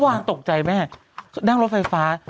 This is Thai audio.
วางตกใจแม่นั่งรถไฟฟ้า